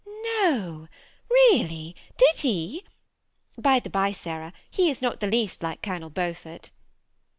"No, really, did he? By the by, Sarah, he is not the least like Colonel Beaufort."